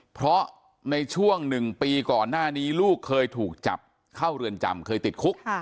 เพราะในช่วง๑ปีก่อนหน้านี้ลูกเคยถูกจับเข้าเรือนจำเคยติดคุก